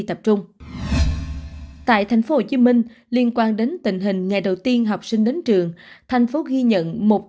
tập trung tại tp hcm liên quan đến tình hình ngày đầu tiên học sinh đến trường thành phố ghi nhận